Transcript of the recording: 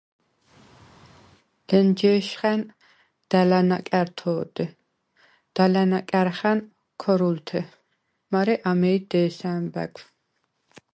ლენჯე̄შხა̈ნ და̈ლა̈ ნაკა̈რთ’ ო̄დე, და̈ლა̈ ნაკა̈რხა̈ნ – ქორულთე, მარე ამეი დე̄ს’ ა̈მბა̈გვ.